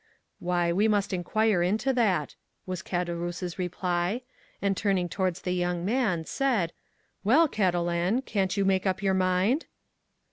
"Why, we must inquire into that," was Caderousse's reply; and turning towards the young man, said, "Well, Catalan, can't you make up your mind?"